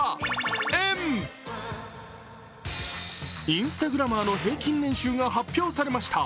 インスタグラマーの平均年収が発表されました。